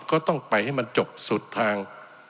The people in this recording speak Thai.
ก็ต้องไปให้มันจบสุดทาง